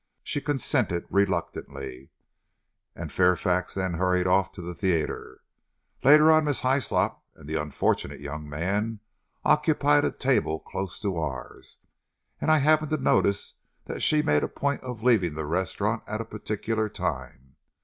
She consented reluctantly, and Fairfax then hurried off to the theatre. Later on, Miss Hyslop and the unfortunate young man occupied a table close to ours, and I happened to notice that she made a point of leaving the restaurant at a particular time.